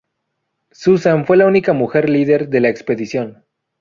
Susan fue la única mujer líder de la expedición.